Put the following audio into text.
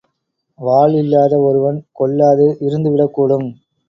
வாள் இல்லாத ஒருவன் கொல்லாது இருந்துவிடக்கூடும்.